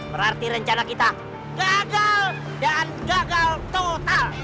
berarti rencana kita gagal dan gagal total